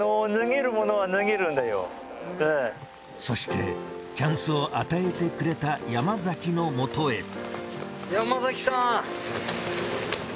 そしてチャンスを与えてくれた山崎のもとへ。